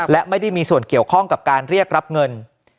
และไม่ได้มีส่วนเกี่ยวข้องกับการเรียกรับเงิน